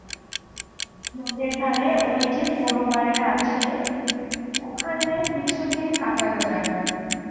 নদীর ধারে ঐ যে পোড়ো বাড়ি আছে ওখানে কিছুদিন কাটানো যাক।